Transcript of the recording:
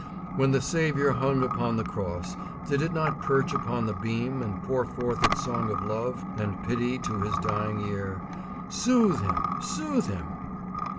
When the Saviour hung upon the cross, did it not perch upon the beam and pour forth its song of love and pity to His dying ear, "Soothe Him! soothe Him"?